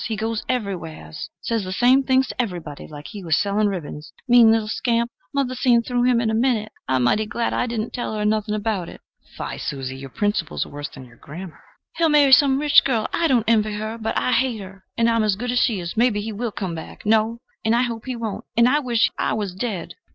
He goes everywheres says the same things to everybody, like he was selling ribbons. Mean little scamp! Mother seen through him in a minute. I'm mighty glad I didn't tell her nothing about it." [Fie, Susie! your principles are worse than your grammar.] "He'll marry some rich girl I don't envy her, but I hate her and I am as good as she is. Maybe he will come back no, and I hope he won't; and I wish I was dead!"